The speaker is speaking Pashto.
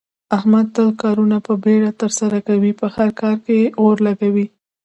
احمد تل کارونه په بیړه ترسره کوي، په هر کار کې اور لگوي.